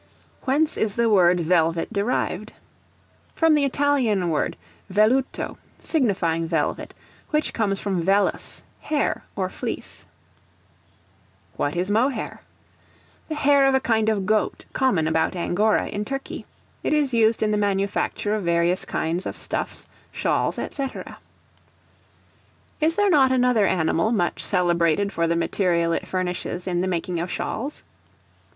Whence is the word Velvet derived? From the Italian word velluto, signifying velvet, which comes from vellus, hair or fleece. What is Mohair? The hair of a kind of goat, common about Angora, in Turkey. It is used in the manufacture of various kinds of stuffs, shawls, &c. Is there not another animal much celebrated for the material it furnishes in the making of shawls?